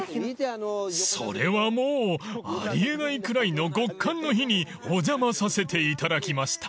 ［それはもうあり得ないくらいの極寒の日にお邪魔させていただきました］